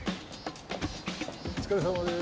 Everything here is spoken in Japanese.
お疲れさまです。